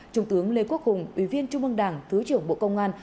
thượng tướng lê quốc hùng ủy viên trung mương đảng thứ trưởng bộ công an